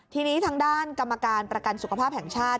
ทีนี้ทางด้านกรรมการประกันสุขภาพแห่งชาติ